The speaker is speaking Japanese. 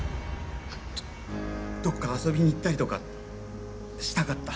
どどっか遊びに行ったりとかしたかった！